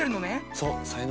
そう。